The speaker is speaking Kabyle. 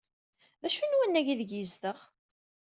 D acu n wannag aydeg yezdeɣ?